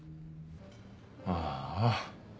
ああ。